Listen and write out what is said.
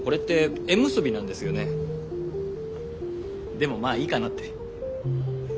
でもまあいいかなって。